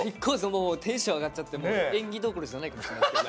もうテンション上がっちゃって演技どころじゃないかもしれない。